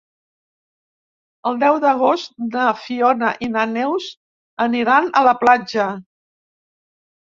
El deu d'agost na Fiona i na Neus aniran a la platja.